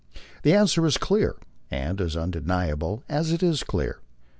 The answer is clear, and as undeniable as it is clear.